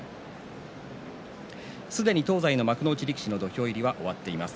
すでに東西の幕内力士の土俵入りは終わっています。